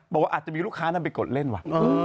บอกว่าอาจจะมีลูกค้านั้นไปกดเล่นว่ะ